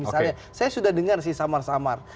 misalnya saya sudah dengar sih samar samar